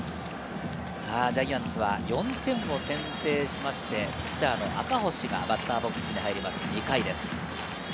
ジャイアンツは４点を先制しまして、ピッチャーの赤星がバッターボックスに入ります、２回です。